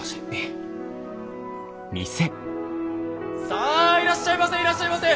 さあいらっしゃいませいらっしゃいませ！